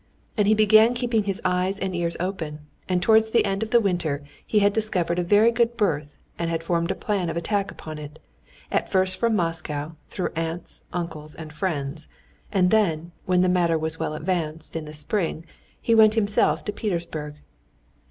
And he began keeping his eyes and ears open, and towards the end of the winter he had discovered a very good berth and had formed a plan of attack upon it, at first from Moscow through aunts, uncles, and friends, and then, when the matter was well advanced, in the spring, he went himself to Petersburg.